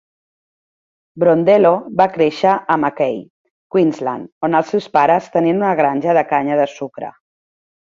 Brondello va créixer a Mackay, Queensland, on els seus pares tenien una granja de canya de sucre.